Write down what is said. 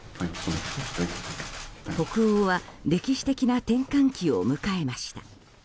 北欧は歴史的な転換期を迎えました。